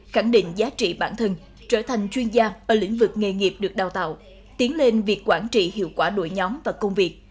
khẳng định giá trị bản thân trở thành chuyên gia ở lĩnh vực nghề nghiệp được đào tạo tiến lên việc quản trị hiệu quả đội nhóm và công việc